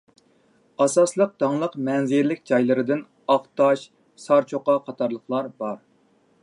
ئاساسلىق داڭلىق مەنزىرىلىك جايلىرىدىن ئاقتاش، سارچوقا قاتارلىقلار بار.